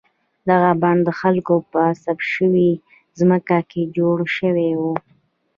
دغه بڼ د خلکو په غصب شوې ځمکه کې جوړ شوی و.